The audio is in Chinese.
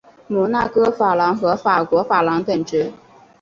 摩纳哥法郎和法国法郎等值。